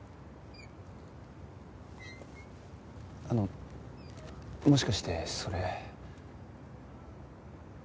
あのもしかしてそれ。